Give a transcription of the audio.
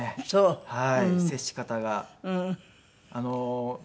はい。